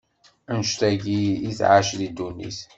annect-agi i tɛac di ddunit.